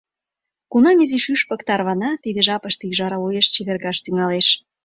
Кунам изи шӱшпык тарвана, тиде жапыште ӱжара уэш чевергаш тӱҥалеш.